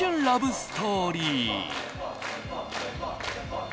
ラブストーリー